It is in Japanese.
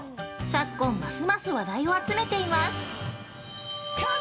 昨今ますます話題を集めています。